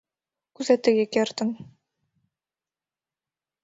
Кузе тыге кертын?»